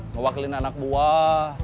ngewakilin anak buah